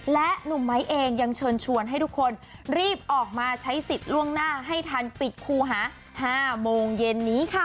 และหนุ่มไม้เองยังเชิญชวนให้ทุกคนรีบออกมาใช้สิทธิ์ล่วงหน้าให้ทันปิดคูหา๕โมงเย็นนี้ค่ะ